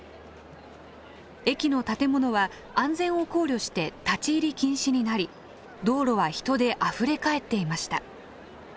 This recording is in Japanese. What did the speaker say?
駅の建物は安全を考慮して立ち入り禁止になり道路は人であふれかえっていました。